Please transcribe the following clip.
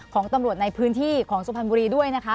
ของตำรวจในพื้นที่ของสุพรรณบุรีด้วยนะคะ